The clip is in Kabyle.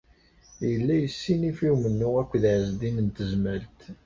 Yella yessinif i umennuɣ akked Ɛezdin n Tezmalt.